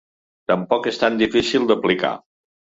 Tampoc és tan difícil d'aplicar.